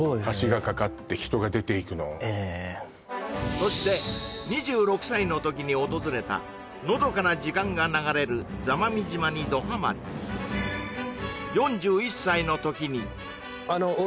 そして２６歳の時に訪れたのどかな時間が流れる座間味島にどハマりえっ